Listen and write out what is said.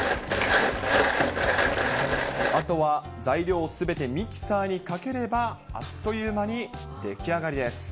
あとは、材料すべてミキサーにかければ、あっという間に出来上がりです。